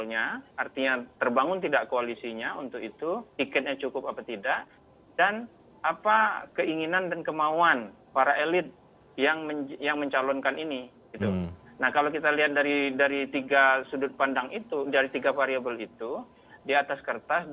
yang kedua faktor terpenuhi tidak